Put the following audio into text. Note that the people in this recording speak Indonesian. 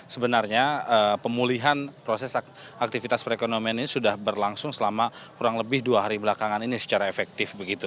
sebenarnya pemulihan proses aktivitas perekonomian ini sudah berlangsung selama kurang lebih dua hari belakangan ini secara efektif begitu